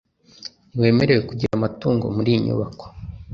Ntiwemerewe kugira amatungo muriyi nyubako